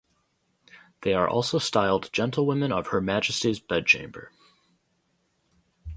They are also styled Gentlewoman of Her Majesty's Bedchamber.